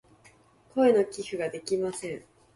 声の寄付ができません。